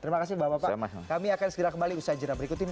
terima kasih bapak bapak kami akan segera kembali usaha jadwal berikut ini